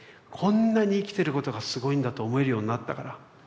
こんなに生きてることがすごいんだと思えるようになったから。